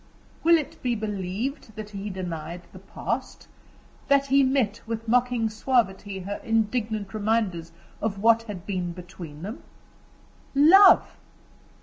Will it be believed that he denied the past that he met with mocking suavity her indignant reminders of what had been between them? "Love!